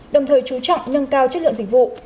đồng thời chú trọng nâng cao chất lượng dịch vụ